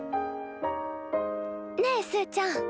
ねえすーちゃん。